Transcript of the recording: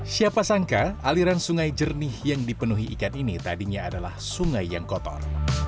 siapa sangka aliran sungai jernih yang dipenuhi ikan ini tadinya adalah sungai yang kotor